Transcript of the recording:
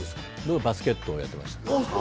バスケットをやってました。